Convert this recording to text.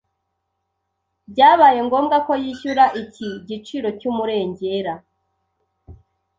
byabaye ngombwa ko yishyura iki giciro cy'umurengera